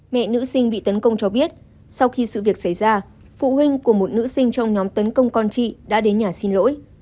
mẹ nữ sinh bị tấn công cho biết sau khi sự việc xảy ra phụ huynh của một nữ sinh trong nhóm tấn công con chị đã đến nhà xin lỗi